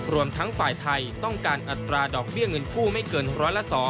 รวมทั้งฝ่ายไทยต้องการอัตราดอกเบี้ยเงินกู้ไม่เกินร้อยละ๒